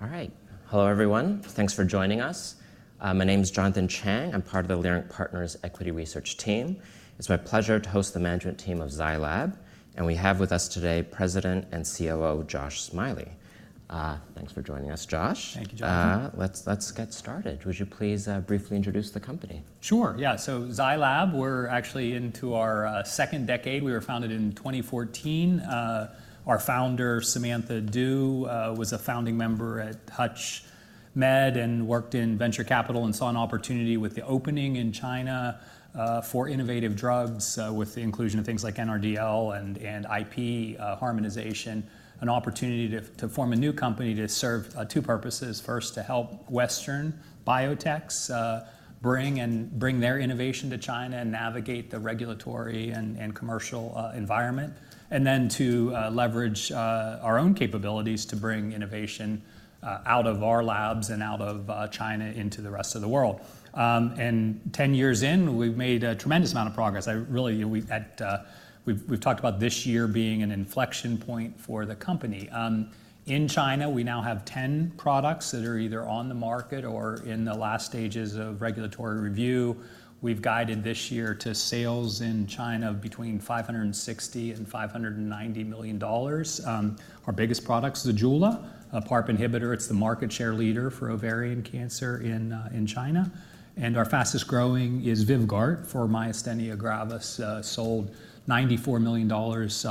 Hi. Hello, everyone. Thanks for joining us. My name is Jonathan Chang. I'm part of the Lyric Partners' equity research team. It's my pleasure to host the management team of Zai Lab. And we have with us today President and COO Josh Smiley. Thanks for joining us, Josh. Thank you, Jonathan. Let's get started. Would you please briefly introduce the company? Sure. Yeah. Zai Lab, we're actually into our second decade. We were founded in 2014. Our founder, Samantha Du, was a founding member at HUTCHMED and worked in venture capital and saw an opportunity with the opening in China for innovative drugs with the inclusion of things like NRDL and IP harmonization. An opportunity to form a new company to serve two purposes. First, to help Western biotechs bring their innovation to China and navigate the regulatory and commercial environment. Then to leverage our own capabilities to bring innovation out of our labs and out of China into the rest of the world. Ten years in, we've made a tremendous amount of progress. We've talked about this year being an inflection point for the company. In China, we now have 10 products that are either on the market or in the last stages of regulatory review. We've guided this year to sales in China between $560 million and $590 million. Our biggest product is Zejula, a PARP inhibitor. It's the market share leader for ovarian cancer in China. Our fastest growing is VYVGART for myasthenia gravis. Sold $94 million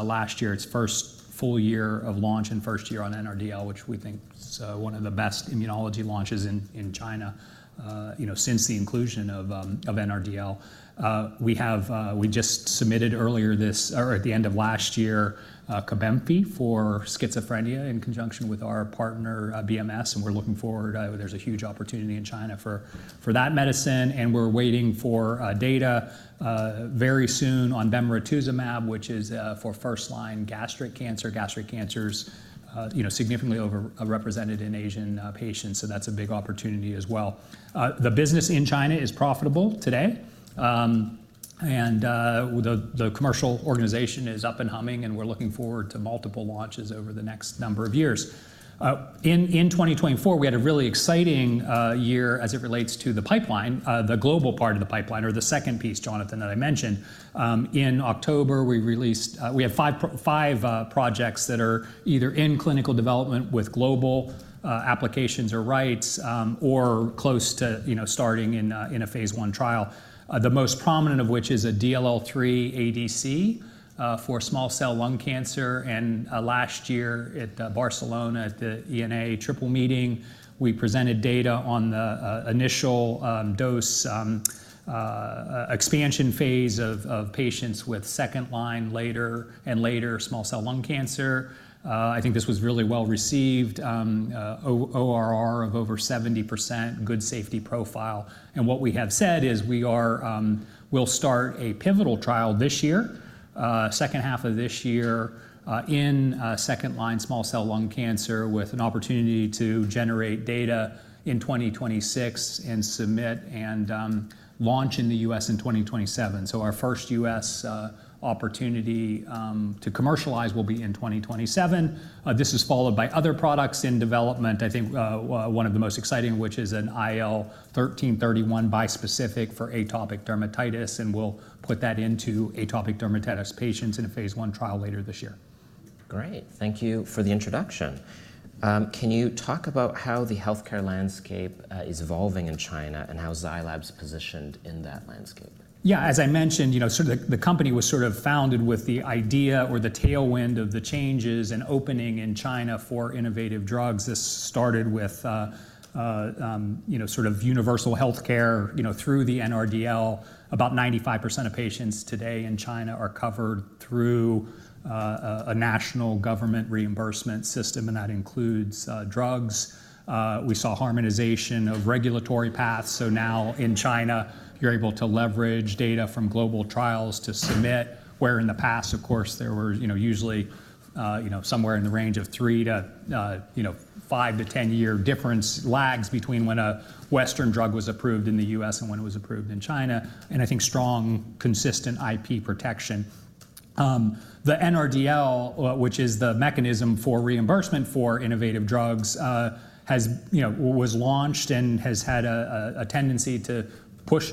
last year. Its first full year of launch and first year on NRDL, which we think is one of the best immunology launches in China since the inclusion of NRDL. We just submitted earlier this, or at the end of last year, Cobenfy for schizophrenia in conjunction with our partner, BMS. We're looking forward. There's a huge opportunity in China for that medicine. We're waiting for data very soon on bemarituzumab, which is for first-line gastric cancer. Gastric cancer is significantly overrepresented in Asian patients. That's a big opportunity as well. The business in China is profitable today. The commercial organization is up and humming. We're looking forward to multiple launches over the next number of years. In 2024, we had a really exciting year as it relates to the pipeline, the global part of the pipeline, or the second piece, Jonathan, that I mentioned. In October, we had five projects that are either in clinical development with global applications or rights or close to starting in a phase I trial, the most prominent of which is a DLL3 ADC for small cell lung cancer. Last year at Barcelona at the ENA Triple Meeting, we presented data on the initial dose expansion phase of patients with second-line, later, and later small cell lung cancer. I think this was really well received, ORR of over 70%, good safety profile. What we have said is we'll start a pivotal trial this year, second half of this year, in second-line small cell lung cancer with an opportunity to generate data in 2026 and submit and launch in the U.S. in 2027. Our first U.S. opportunity to commercialize will be in 2027. This is followed by other products in development. I think one of the most exciting, which is an IL-13/31 bispecific for atopic dermatitis. We'll put that into atopic dermatitis patients in a phase I trial later this year. Great. Thank you for the introduction. Can you talk about how the healthcare landscape is evolving in China and how Zai Lab is positioned in that landscape? Yeah. As I mentioned, the company was sort of founded with the idea or the tailwind of the changes and opening in China for innovative drugs. This started with sort of universal healthcare through the NRDL. About 95% of patients today in China are covered through a national government reimbursement system. That includes drugs. We saw harmonization of regulatory paths. Now in China, you're able to leverage data from global trials to submit, where in the past, of course, there were usually somewhere in the range of 3-5-10 year difference lags between when a Western drug was approved in the U.S. and when it was approved in China. I think strong, consistent IP protection. The NRDL, which is the mechanism for reimbursement for innovative drugs, was launched and has had a tendency to push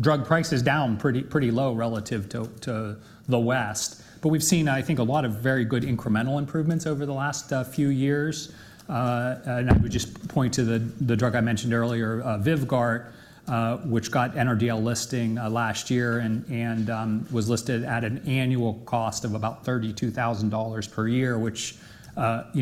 drug prices down pretty low relative to the West. We've seen, I think, a lot of very good incremental improvements over the last few years. I would just point to the drug I mentioned earlier, Vyvgart, which got NRDL listing last year and was listed at an annual cost of about $32,000 per year, which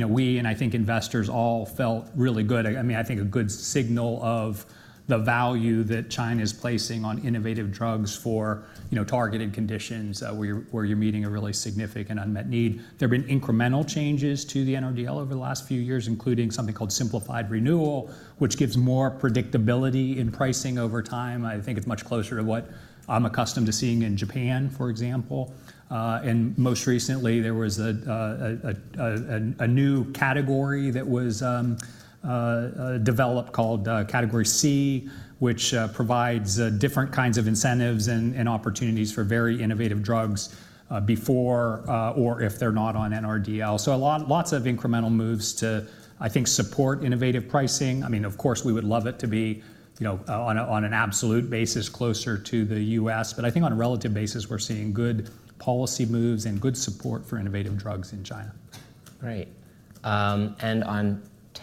we, and I think investors, all felt really good. I mean, I think a good signal of the value that China is placing on innovative drugs for targeted conditions where you're meeting a really significant unmet need. There have been incremental changes to the NRDL over the last few years, including something called simplified renewal, which gives more predictability in pricing over time. I think it's much closer to what I'm accustomed to seeing in Japan, for example. Most recently, there was a new category that was developed called category C, which provides different kinds of incentives and opportunities for very innovative drugs before or if they're not on NRDL. Lots of incremental moves to, I think, support innovative pricing. I mean, of course, we would love it to be on an absolute basis closer to the U.S. I think on a relative basis, we're seeing good policy moves and good support for innovative drugs in China. Great. On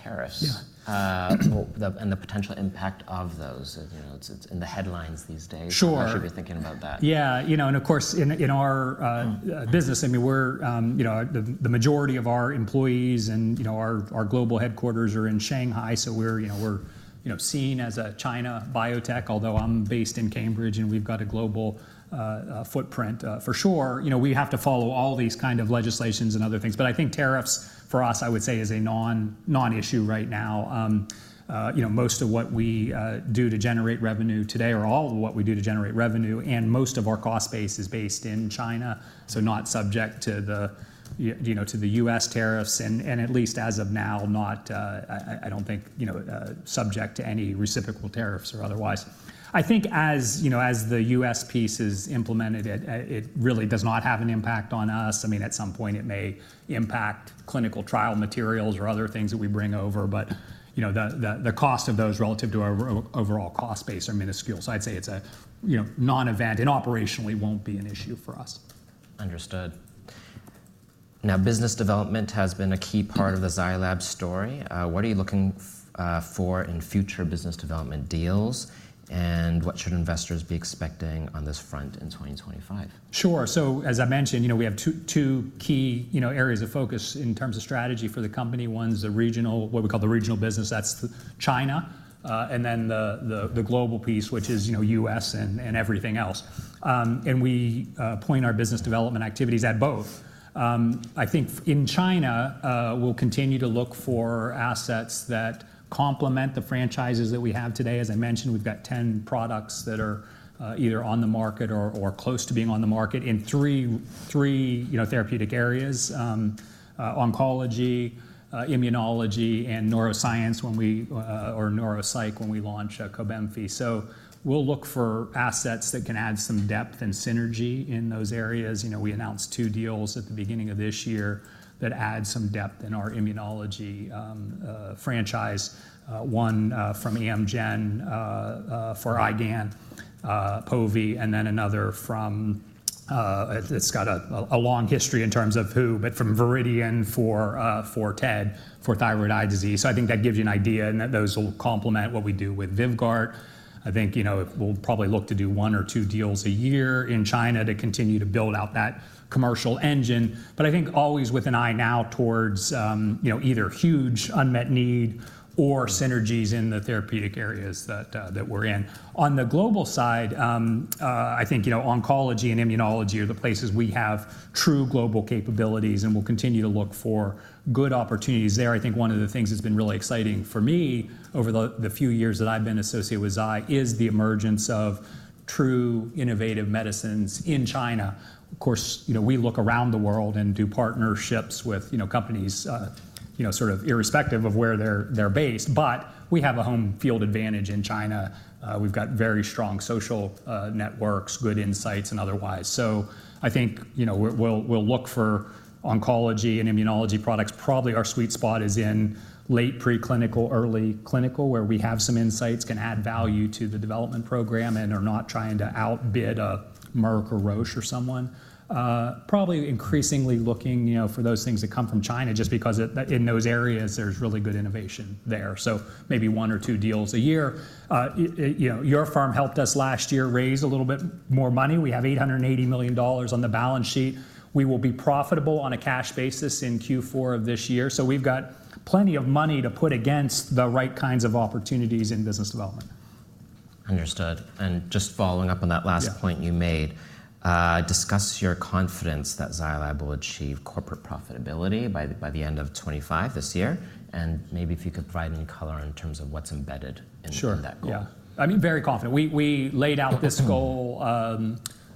tariffs and the potential impact of those. It's in the headlines these days. I'm not sure if you're thinking about that. Sure. Yeah. Of course, in our business, I mean, the majority of our employees and our global headquarters are in Shanghai. We are seen as a China biotech, although I'm based in Cambridge and we've got a global footprint for sure. We have to follow all these kind of legislations and other things. I think tariffs for us, I would say, is a non-issue right now. Most of what we do to generate revenue today or all of what we do to generate revenue and most of our cost base is based in China, so not subject to the U.S. tariffs. At least as of now, I don't think subject to any reciprocal tariffs or otherwise. I think as the U.S. piece is implemented, it really does not have an impact on us. I mean, at some point, it may impact clinical trial materials or other things that we bring over. The cost of those relative to our overall cost base are minuscule. I'd say it's a non-event and operationally won't be an issue for us. Understood. Now, business development has been a key part of the Zai Lab story. What are you looking for in future business development deals? What should investors be expecting on this front in 2025? Sure. As I mentioned, we have two key areas of focus in terms of strategy for the company. One is the regional, what we call the regional business. That is China. The global piece is U.S. and everything else. We point our business development activities at both. I think in China, we will continue to look for assets that complement the franchises that we have today. As I mentioned, we have 10 products that are either on the market or close to being on the market in three therapeutic areas: oncology, immunology, and neuroscience, or neuropsych when we launch Cobenfy. We will look for assets that can add some depth and synergy in those areas. We announced two deals at the beginning of this year that add some depth in our immunology franchise. One from Amgen for eye gan, POVE, and then another from Viridian for TED for thyroid eye disease. I think that gives you an idea and that those will complement what we do with Vyvgart. I think we'll probably look to do one or two deals a year in China to continue to build out that commercial engine. I think always with an eye now towards either huge unmet need or synergies in the therapeutic areas that we're in. On the global side, I think oncology and immunology are the places we have true global capabilities and we'll continue to look for good opportunities there. I think one of the things that's been really exciting for me over the few years that I've been associated with Zai is the emergence of true innovative medicines in China. Of course, we look around the world and do partnerships with companies sort of irrespective of where they're based. We have a home field advantage in China. We've got very strong social networks, good insights, and otherwise. I think we'll look for oncology and immunology products. Probably our sweet spot is in late preclinical, early clinical, where we have some insights, can add value to the development program, and are not trying to outbid a Merck or Roche or someone. Probably increasingly looking for those things that come from China just because in those areas there's really good innovation there. Maybe one or two deals a year. Your firm helped us last year raise a little bit more money. We have $880 million on the balance sheet. We will be profitable on a cash basis in Q4 of this year. We've got plenty of money to put against the right kinds of opportunities in business development. Understood. Just following up on that last point you made, discuss your confidence that Zai Lab will achieve corporate profitability by the end of 2025 this year. Maybe if you could provide any color in terms of what's embedded in that goal. Sure. Yeah. I mean, very confident. We laid out this goal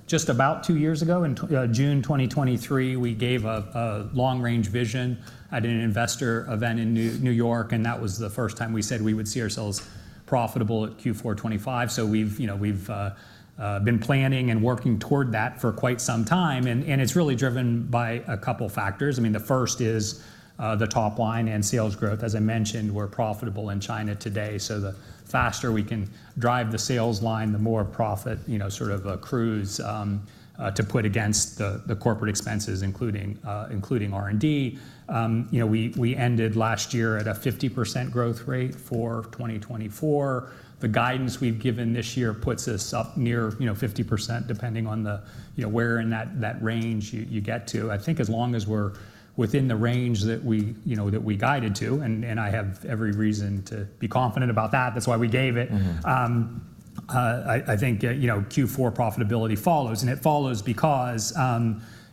just about two years ago. In June 2023, we gave a long-range vision at an investor event in New York. That was the first time we said we would see ourselves profitable at Q4 2025. We have been planning and working toward that for quite some time. It is really driven by a couple of factors. I mean, the first is the top line and sales growth. As I mentioned, we are profitable in China today. The faster we can drive the sales line, the more profit sort of accrues to put against the corporate expenses, including R&D. We ended last year at a 50% growth rate for 2024. The guidance we have given this year puts us up near 50%, depending on where in that range you get to. I think as long as we're within the range that we guided to, and I have every reason to be confident about that. That's why we gave it. I think Q4 profitability follows. It follows because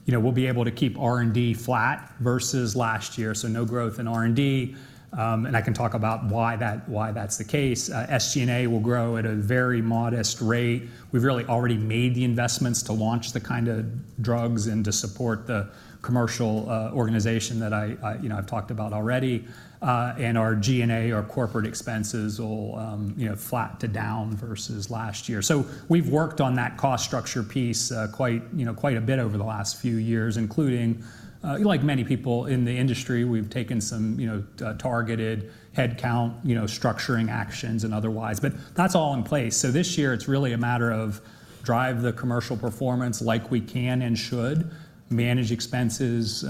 we'll be able to keep R&D flat versus last year. No growth in R&D. I can talk about why that's the case. SG&A will grow at a very modest rate. We've really already made the investments to launch the kind of drugs and to support the commercial organization that I've talked about already. Our G&A, our corporate expenses, will be flat to down versus last year. We've worked on that cost structure piece quite a bit over the last few years, including, like many people in the industry, we've taken some targeted headcount structuring actions and otherwise. That's all in place. This year, it's really a matter of drive the commercial performance like we can and should, manage expenses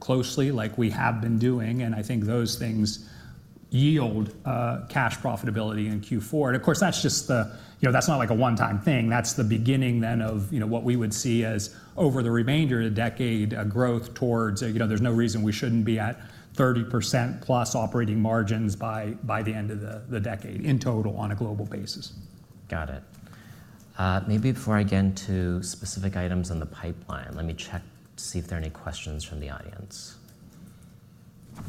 closely like we have been doing. I think those things yield cash profitability in Q4. Of course, that's not like a one-time thing. That's the beginning then of what we would see as over the remainder of the decade, a growth towards there's no reason we shouldn't be at 30%+ operating margins by the end of the decade in total on a global basis. Got it. Maybe before I get into specific items on the pipeline, let me check to see if there are any questions from the audience. I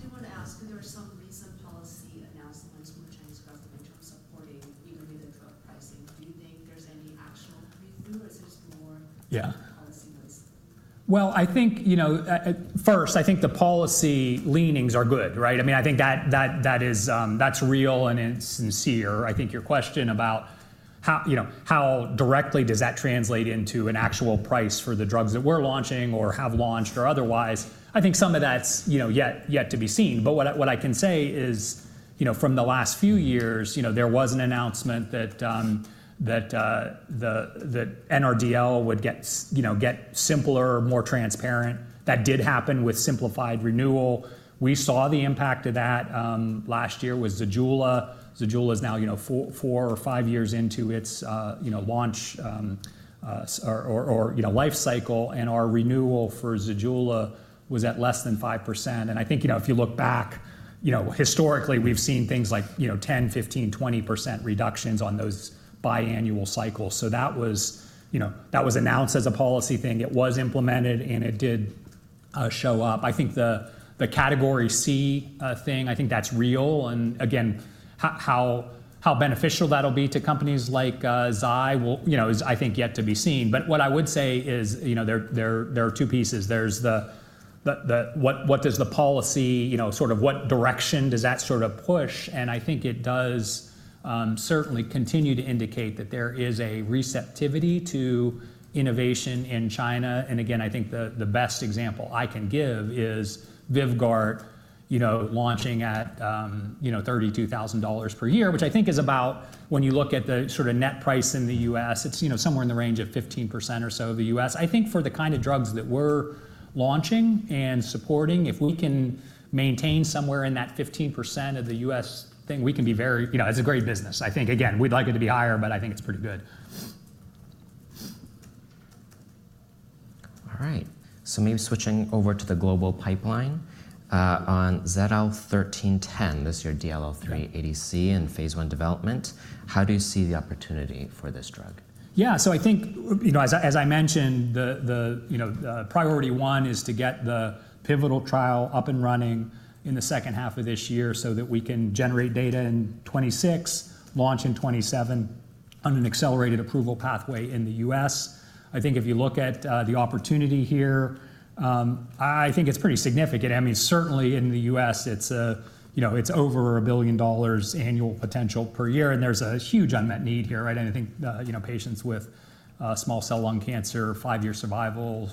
do want to ask, there are some recent policy announcements from the Chinese government in terms of supporting even within drug pricing. Do you think there's any actionable through, or is it just more policy noise? Yeah. I think first, I think the policy leanings are good, right? I mean, I think that's real and it's sincere. I think your question about how directly does that translate into an actual price for the drugs that we're launching or have launched or otherwise, I think some of that's yet to be seen. What I can say is from the last few years, there was an announcement that the NRDL would get simpler, more transparent. That did happen with simplified renewal. We saw the impact of that last year with Zejula. Zejula is now four or five years into its launch or life cycle. Our renewal for Zejula was at less than 5%. I think if you look back, historically, we've seen things like 10%-15%-20% reductions on those biannual cycles. That was announced as a policy thing. It was implemented, and it did show up. I think the category C thing, I think that's real. Again, how beneficial that'll be to companies like Zai Lab is, I think, yet to be seen. What I would say is there are two pieces. There's what does the policy sort of what direction does that sort of push? I think it does certainly continue to indicate that there is a receptivity to innovation in China. Again, I think the best example I can give is Vyvgart launching at $32,000 per year, which I think is about, when you look at the sort of net price in the U.S., it's somewhere in the range of 15% or so of the U.S. I think for the kind of drugs that we're launching and supporting, if we can maintain somewhere in that 15% of the U.S. thing, we can be very, it's a great business. I think, again, we'd like it to be higher, but I think it's pretty good. All right. Maybe switching over to the global pipeline. On ZL-1310, this is your DLL3 ADC in phase I development. How do you see the opportunity for this drug? Yeah. I think, as I mentioned, priority one is to get the pivotal trial up and running in the second half of this year so that we can generate data in 2026, launch in 2027 on an accelerated approval pathway in the U.S. I think if you look at the opportunity here, I think it's pretty significant. I mean, certainly in the U.S., it's over $1 billion annual potential per year. There's a huge unmet need here, right? I think patients with small cell lung cancer, five-year survival,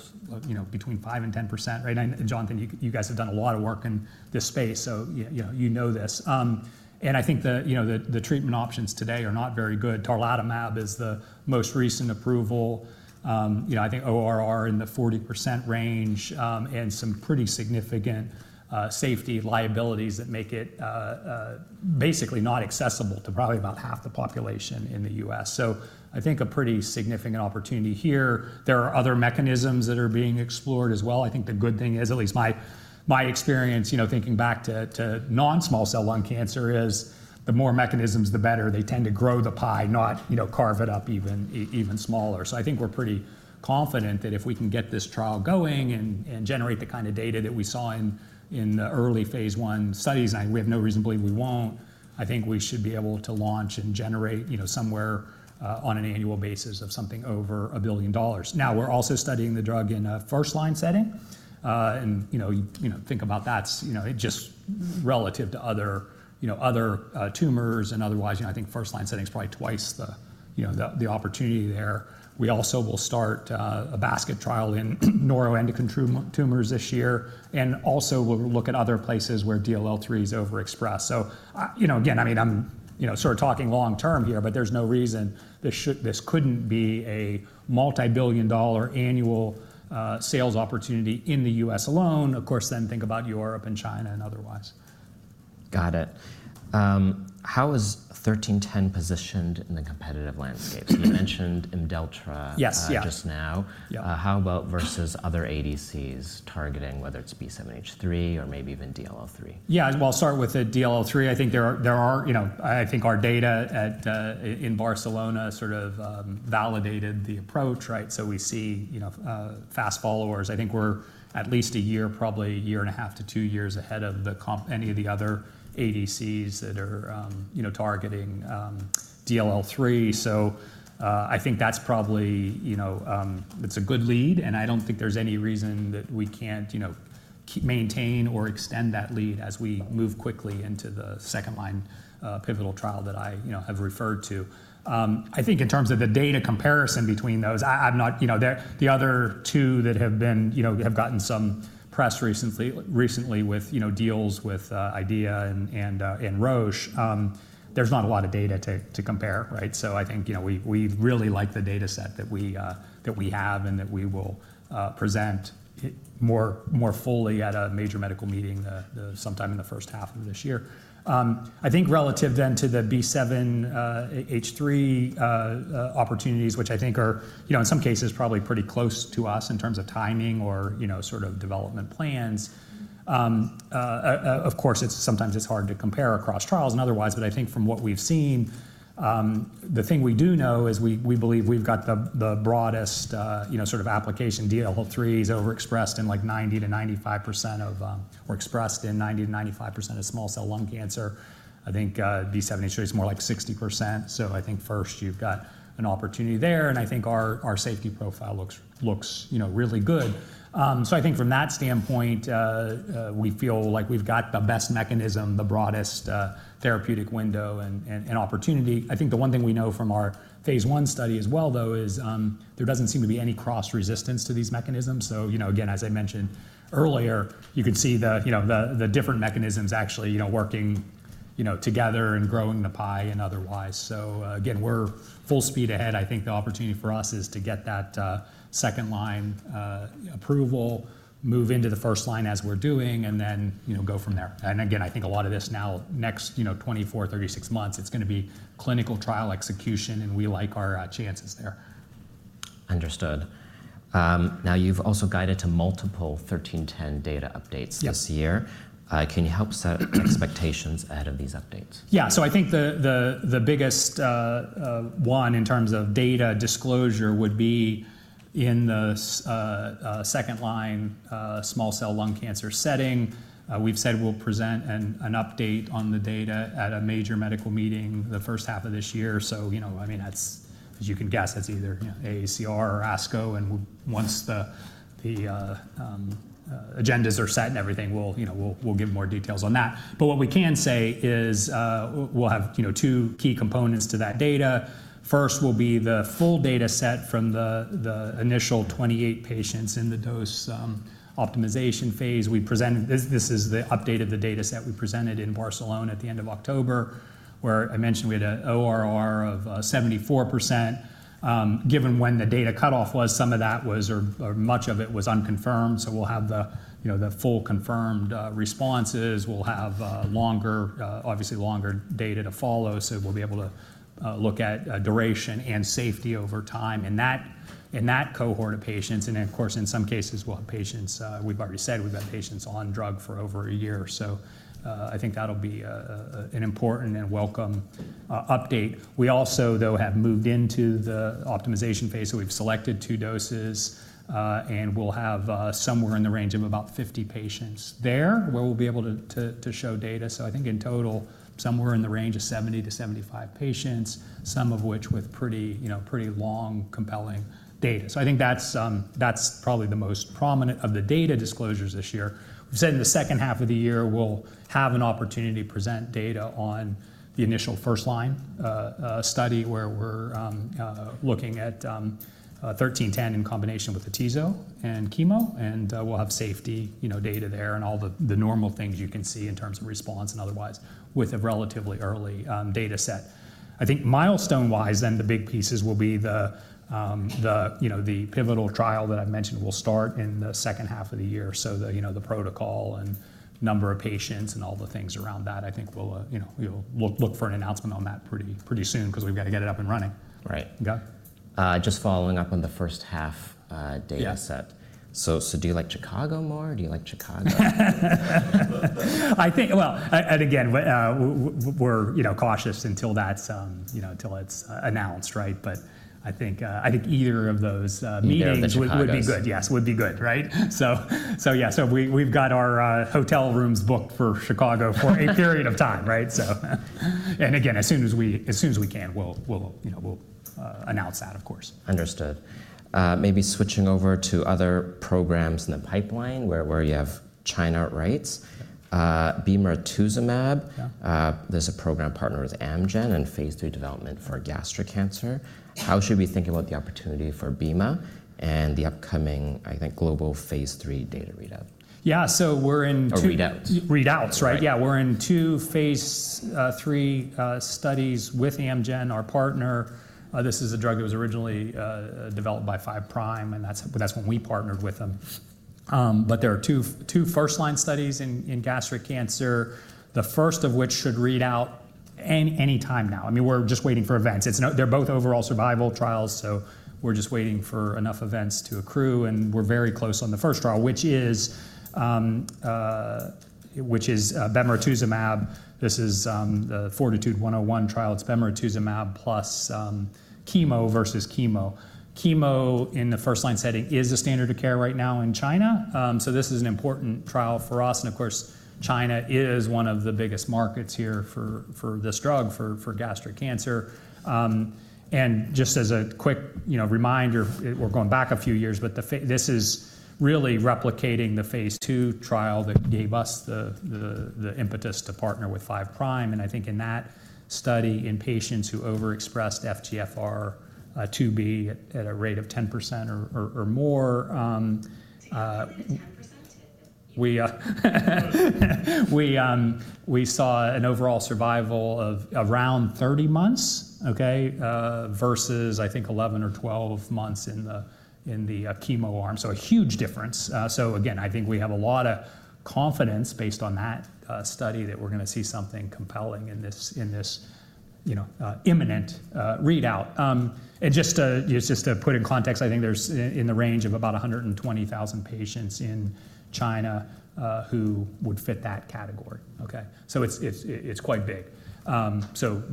between 5%-10%, right? Jonathan, you guys have done a lot of work in this space, so you know this. I think the treatment options today are not very good. Tarlatamab is the most recent approval. I think ORR in the 40% range and some pretty significant safety liabilities that make it basically not accessible to probably about half the population in the U.S. I think a pretty significant opportunity here. There are other mechanisms that are being explored as well. I think the good thing is, at least my experience thinking back to non-small cell lung cancer is the more mechanisms, the better. They tend to grow the pie, not carve it up even smaller. I think we're pretty confident that if we can get this trial going and generate the kind of data that we saw in the early phase I studies, and we have no reason to believe we won't, I think we should be able to launch and generate somewhere on an annual basis of something over $1 billion. Now, we're also studying the drug in a first-line setting. Think about that. It's just relative to other tumors and otherwise. I think first-line setting is probably twice the opportunity there. We also will start a basket trial in neuroendocrine tumors this year. Also, we'll look at other places where DLL3 is overexpressed. I mean, I'm sort of talking long-term here, but there's no reason this couldn't be a multi-billion dollar annual sales opportunity in the U.S. alone. Of course, think about Europe and China and otherwise. Got it. How is 1310 positioned in the competitive landscape? You mentioned Imdelltra just now. How about versus other ADCs targeting whether it's B7H3 or maybe even DLL3? Yeah. I'll start with the DLL3. I think our data in Barcelona sort of validated the approach, right? We see fast followers. I think we're at least a year, probably a year and a half to two years ahead of any of the other ADCs that are targeting DLL3. I think that's probably a good lead. I don't think there's any reason that we can't maintain or extend that lead as we move quickly into the second-line pivotal trial that I have referred to. I think in terms of the data comparison between those, the other two that have gotten some press recently with deals with IDEAYA and Roche, there's not a lot of data to compare, right? I think we really like the data set that we have and that we will present more fully at a major medical meeting sometime in the first half of this year. I think relative then to the B7H3 opportunities, which I think are in some cases probably pretty close to us in terms of timing or sort of development plans. Of course, sometimes it's hard to compare across trials and otherwise. I think from what we've seen, the thing we do know is we believe we've got the broadest sort of application. DLL3 is overexpressed in like 90%-95% of or expressed in 90%-95% of small cell lung cancer. I think B7H3 is more like 60%. I think first you've got an opportunity there. I think our safety profile looks really good. I think from that standpoint, we feel like we've got the best mechanism, the broadest therapeutic window and opportunity. I think the one thing we know from our phase I study as well, though, is there doesn't seem to be any cross resistance to these mechanisms. Again, as I mentioned earlier, you can see the different mechanisms actually working together and growing the pie and otherwise. Again, we're full speed ahead. I think the opportunity for us is to get that second-line approval, move into the first line as we're doing, and then go from there. Again, I think a lot of this now, next 24 months-36 months, it's going to be clinical trial execution. We like our chances there. Understood. Now, you've also guided to multiple 1310 data updates this year. Can you help set expectations ahead of these updates? Yeah. I think the biggest one in terms of data disclosure would be in the second-line small cell lung cancer setting. We've said we'll present an update on the data at a major medical meeting the first half of this year. I mean, as you can guess, that's either AACR or ASCO. Once the agendas are set and everything, we'll give more details on that. What we can say is we'll have two key components to that data. First will be the full data set from the initial 28 patients in the dose optimization phase. This is the updated data set we presented in Barcelona at the end of October, where I mentioned we had an ORR of 74%. Given when the data cutoff was, some of that was or much of it was unconfirmed. We'll have the full confirmed responses. We'll have obviously longer data to follow. We'll be able to look at duration and safety over time in that cohort of patients. In some cases, we've already said we've had patients on drug for over a year. I think that'll be an important and welcome update. We also, though, have moved into the optimization phase. We've selected two doses. We'll have somewhere in the range of about 50 patients there where we'll be able to show data. I think in total, somewhere in the range of 70-75 patients, some of which with pretty long, compelling data. I think that's probably the most prominent of the data disclosures this year. We've said in the second half of the year, we'll have an opportunity to present data on the initial first-line study where we're looking at ZL-1310 in combination with the atezo and chemo. We'll have safety data there and all the normal things you can see in terms of response and otherwise with a relatively early data set. I think milestone-wise, the big pieces will be the pivotal trial that I mentioned will start in the second half of the year. The protocol and number of patients and all the things around that, I think we'll look for an announcement on that pretty soon because we've got to get it up and running. Just following up on the first half data set. Do you like Chicago more? Do you like Chicago? I think, and again, we're cautious until it's announced, right? I think either of those meetings would be good. Meetings would be good. Yes, would be good, right? Yeah, we've got our hotel rooms booked for Chicago for a period of time, right? As soon as we can, we'll announce that, of course. Understood. Maybe switching over to other programs in the pipeline where you have China rights, bemarituzumab. There's a program partnered with Amgen in phase III development for gastric cancer. How should we think about the opportunity for bemarituzumab and the upcoming, I think, global phase III data readout? Yeah. We're in readouts. Read outs, right? Yeah. We're in two phase III studies with Amgen, our partner. This is a drug that was originally developed by Five Prime, and that's when we partnered with them. There are two first-line studies in gastric cancer, the first of which should read out any time now. I mean, we're just waiting for events. They're both overall survival trials. We're just waiting for enough events to accrue. We're very close on the first trial, which is bemarituzumab. This is the Fortitude 101 trial. It's bemarituzumab plus chemo versus chemo. Chemo in the first-line setting is a standard of care right now in China. This is an important trial for us. China is one of the biggest markets here for this drug for gastric cancer. Just as a quick reminder, we're going back a few years, but this is really replicating the phase two trial that gave us the impetus to partner with Five Prime. I think in that study in patients who overexpressed FGFR2b at a rate of 10% or more, we saw an overall survival of around 30 months, okay, versus, I think, 11 months or 12 months in the chemo arm. A huge difference. Again, I think we have a lot of confidence based on that study that we're going to see something compelling in this imminent readout. Just to put in context, I think there's in the range of about 120,000 patients in China who would fit that category, okay? It's quite big.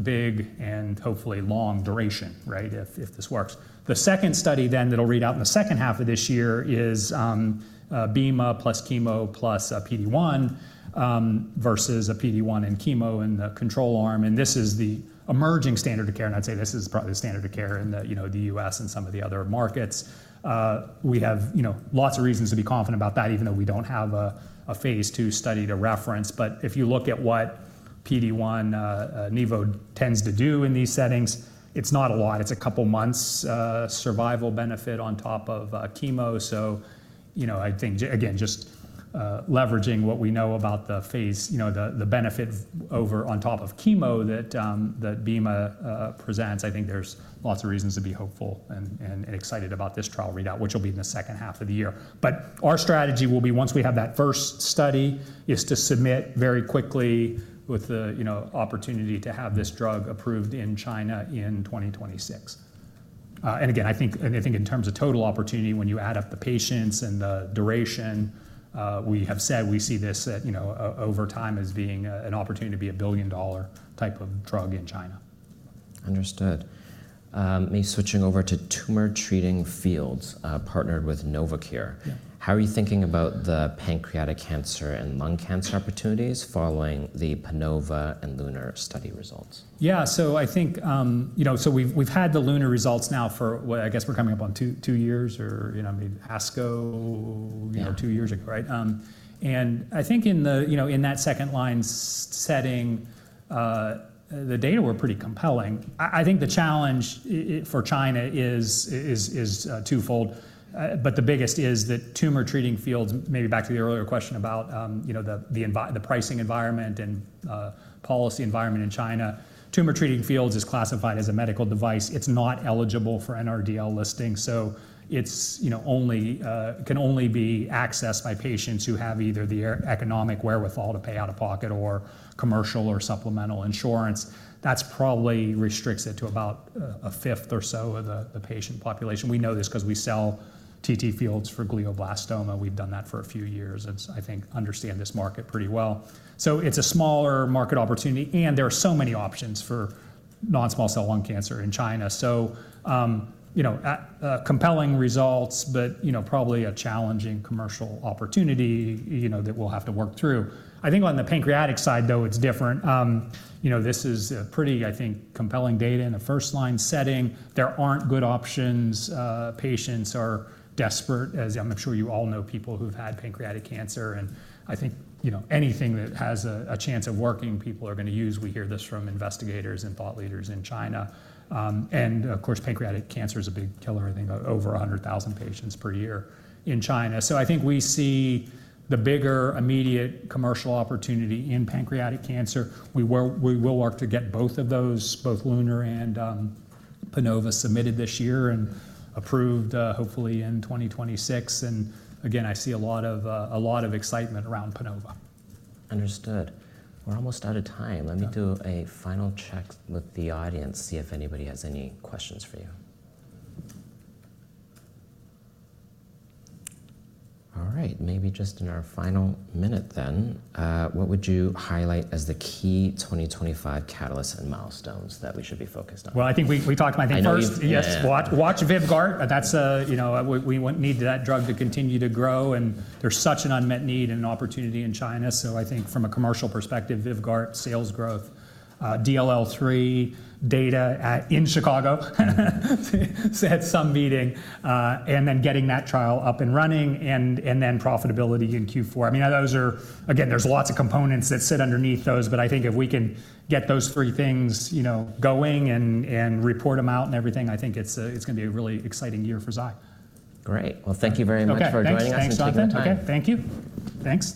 Big and hopefully long duration, right, if this works. The second study then that'll read out in the second half of this year is bemarituzumab plus chemo plus PD-1 versus a PD-1 and chemo in the control arm. This is the emerging standard of care. I'd say this is probably the standard of care in the U.S. and some of the other markets. We have lots of reasons to be confident about that, even though we don't have a phase II study to reference. If you look at what PD-1, Nevo, tends to do in these settings, it's not a lot. It's a couple of months survival benefit on top of chemo. I think, again, just leveraging what we know about the benefit on top of chemo that bemarituzumab presents, I think there's lots of reasons to be hopeful and excited about this trial readout, which will be in the second half of the year. Our strategy will be, once we have that first study, to submit very quickly with the opportunity to have this drug approved in China in 2026. Again, I think in terms of total opportunity, when you add up the patients and the duration, we have said we see this over time as being an opportunity to be a billion-dollar type of drug in China. Understood. Maybe switching over to tumor treating fields partnered with Novocure. How are you thinking about the pancreatic cancer and lung cancer opportunities following the PANOVA and LUNAR study results? Yeah. I think we've had the LUNAR results now for, I guess we're coming up on two years or maybe ASCO two years ago, right? I think in that second-line setting, the data were pretty compelling. I think the challenge for China is twofold. The biggest is that tumor treating fields, maybe back to the earlier question about the pricing environment and policy environment in China, tumor treating fields is classified as a medical device. It's not eligible for NRDL listing. It can only be accessed by patients who have either the economic wherewithal to pay out of pocket or commercial or supplemental insurance. That probably restricts it to about a fifth or so of the patient population. We know this because we sell TTFields for glioblastoma. We've done that for a few years. I think we understand this market pretty well. It's a smaller market opportunity. There are so many options for non-small cell lung cancer in China. Compelling results, but probably a challenging commercial opportunity that we'll have to work through. I think on the pancreatic side, though, it's different. This is pretty, I think, compelling data in a first-line setting. There aren't good options. Patients are desperate. I'm sure you all know people who've had pancreatic cancer. I think anything that has a chance of working, people are going to use. We hear this from investigators and thought leaders in China. Of course, pancreatic cancer is a big killer, I think, over 100,000 patients per year in China. I think we see the bigger immediate commercial opportunity in pancreatic cancer. We will work to get both of those, both LUNAR and PANOVA, submitted this year and approved hopefully in 2026. I see a lot of excitement around PANOVA. Understood. We're almost out of time. Let me do a final check with the audience, see if anybody has any questions for you. All right. Maybe just in our final minute then, what would you highlight as the key 2025 catalysts and milestones that we should be focused on? I think we talked about I think first, yes, watch VYVGART. We need that drug to continue to grow. And there's such an unmet need and opportunity in China. So I think from a commercial perspective, VYVGART sales growth, DLL3 data in Chicago at some meeting, and then getting that trial up and running, and then profitability in Q4. I mean, again, there's lots of components that sit underneath those. But I think if we can get those three things going and report them out and everything, I think it's going to be a really exciting year for Zai. Great. Thank you very much for joining us. Okay. Thanks, Jonathan. Okay. Okay. Thank you. Thanks.